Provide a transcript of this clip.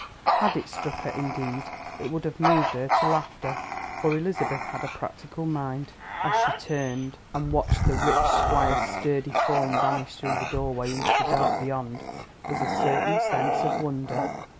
Had it struck her, indeed, it would have moved her to laughter, for Elizabeth had a practical mind. What did strike her, as she turned and watched the rich squire's sturdy form vanish through the doorway into the dark beyond, was a certain sense of wonder.